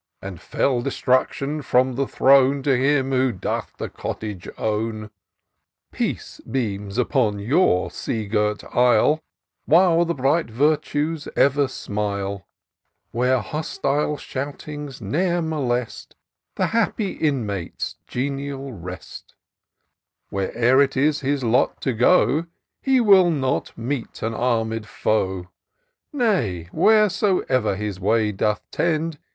And fell destruction, from the throne To him who doth the cottage own, — Peace beams upon your sea girt Isle, Where the bright Virtues ever smile ; Where hostile shoutings ne'er molest The happy inmate's genial rest: Where'er it is his lot to go, He will not meet an armed foe ; Nay, wheresoe'er his way doth tend.